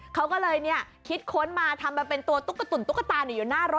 เขาก็เลยคิดค้นมาทำมาเป็นตัวตุ๊กตุ๋นตุ๊กตาอยู่หน้ารถ